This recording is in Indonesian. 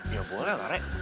ya boleh lah rek